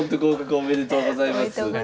おめでとうございます。